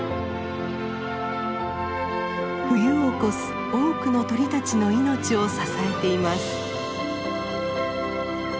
冬を越す多くの鳥たちの命を支えています。